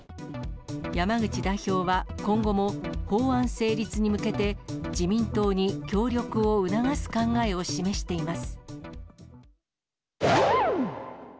山口代表は、今後も法案成立に向けて、自民党に協力を促す考えを示しています。